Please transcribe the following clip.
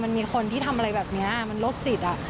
มีคนที่ทำอะไรแบบนี้มันโรคจิต